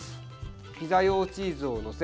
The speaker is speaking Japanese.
ピザ用チーズを載せ